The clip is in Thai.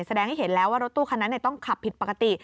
แสดงให้เห็นแล้วว่ารถตู้คันนั้นต้องขับผิดปกติ